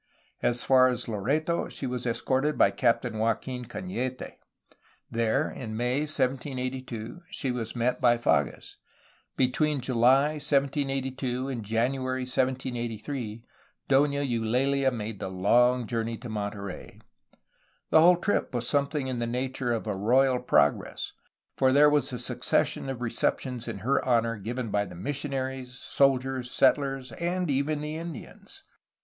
As far as Loreto she was escorted by Captain Joaquin Canete. There, in May 1782, she was met by Fages. Between July 1782 and January 1783, Dona Eulalia made the long journey to Monterey. The whole trip was something in the nature of a royal progress, for there was a succession of receptions in her honor given by the mission aries, soldiers, settlers, and even the Indians.